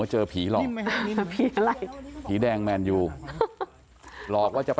หรอฮะ